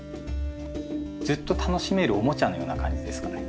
ずっと楽しめるおもちゃのような感じですかね。